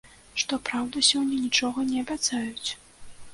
Што праўда, сёння нічога не абяцаюць.